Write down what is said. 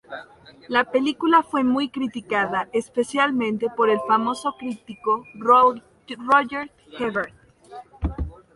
La película fue muy criticada, especialmente por el famoso crítico Roger Ebert.